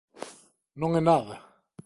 _Non é nada...